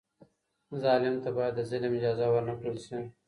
ظالم ته بايد د ظلم اجازه ورنکړل سي.